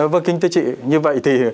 vâng kính thưa chị như vậy thì